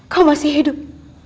kau masih hidup